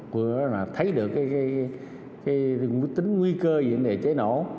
vừa thấy được cái tính nguy cơ về vấn đề cháy nổ